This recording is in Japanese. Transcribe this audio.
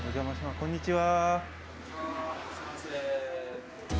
こんにちは。